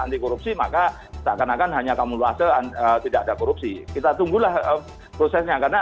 anti korupsi maka seakan akan hanya kamulase tidak ada korupsi kita tunggulah prosesnya karena